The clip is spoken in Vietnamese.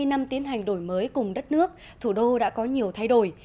hai mươi năm tiến hành đổi mới cùng đất nước thủ đô đã có nhiều thay đổi